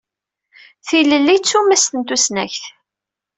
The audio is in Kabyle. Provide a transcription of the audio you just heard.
Tilelli d tumast n tusnakt.